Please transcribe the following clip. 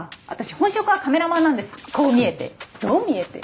本職はカメラマンなんですこう見えてどう見えて？